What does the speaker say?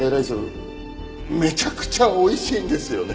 めちゃくちゃおいしいんですよね。